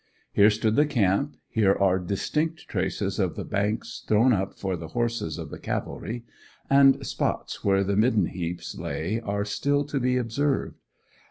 Here stood the camp; here are distinct traces of the banks thrown up for the horses of the cavalry, and spots where the midden heaps lay are still to be observed.